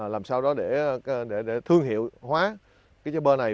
làm sao đó để thương hiệu hóa cái chế bơ này